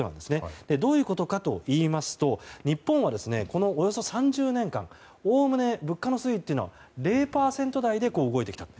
どういうことかというと日本は、このおよそ３０年間おおむね物価の推移は０％台で動いてきたと。